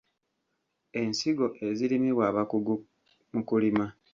Ensigo ezirimibwa abakugu mu kulima.